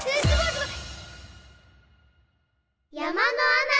すごい！